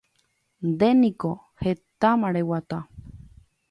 Ndéniko hetama reguata